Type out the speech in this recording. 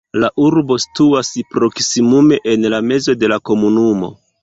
La urbo situas proksimume en la mezo de la komunumo.